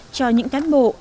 cho những cán bộ